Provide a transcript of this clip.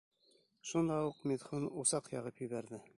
Шунда уҡ Митхун усаҡ яғып ебәрҙе.